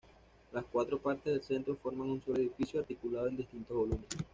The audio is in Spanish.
Las cuatro partes del Centro forman un solo edificio, articulado en distintos volúmenes.